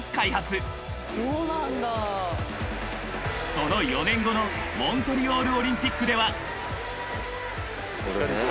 ［その４年後のモントリオールオリンピックでは］